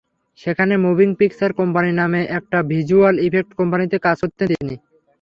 সেখানে moving picture company নামের একটি ভিজ্যুয়াল ইফেক্ট কোম্পানিতে কাজ করতেন তিনি।